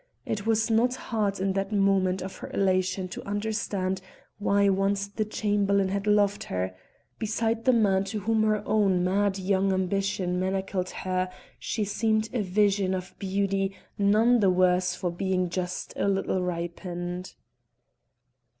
It was not hard in that moment of her elation to understand why once the Chamberlain had loved her; beside the man to whom her own mad young ambition manacled her she seemed a vision of beauty none the worse for being just a little ripened.